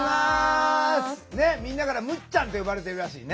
みんなからむっちゃんって呼ばれてるらしいね。